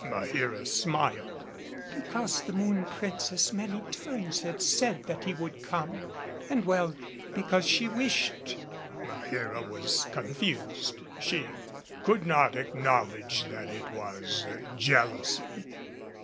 Maheera smiled. "Because the Moon Princess many times had said that he would come and well because she wished " Maheera was confused. She could not acknowledge that it was jealousy.